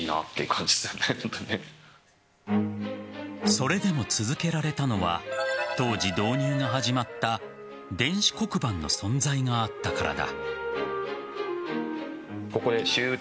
それでも続けられたのは当時、導入が始まった電子黒板の存在があったからだ。